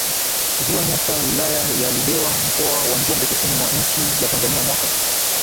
Ziwa Nyasa wilaya ya Ludewa Mkoa wa Njombe kusini mwa nchi ya TanzaniaMwaka